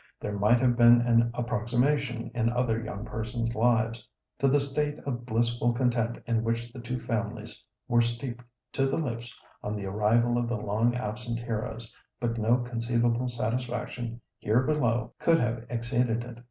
There might have been an approximation in other young persons' lives; to the state of blissful content in which the two families were steeped to the lips on the arrival of the long absent heroes, but no conceivable satisfaction here below could have exceeded it.